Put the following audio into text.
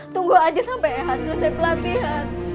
tunggu aja sampai eha selesai pelatihan